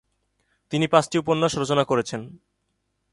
তিনি পাঁচটি উপন্যাস রচনা করেছেন।